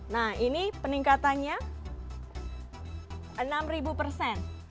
nah ini peningkatannya enam persen